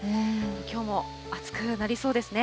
きょうも暑くなりそうですね。